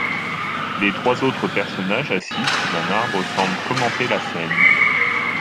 Les trois autres personnages assis sous un arbre semblent commenter la scène.